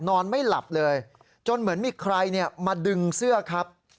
นอนไม่หลับเลยจนเหมือนมีใครมาดึงเสื้อครับ